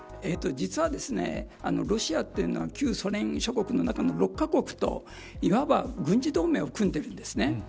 実はですね、ロシアというのは旧ソ連諸国の中の６カ国といわば軍事同盟を組んでいるんですね。